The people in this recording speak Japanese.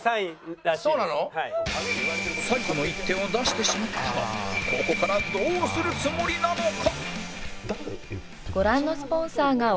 最後の一手を出してしまったがここからどうするつもりなのか？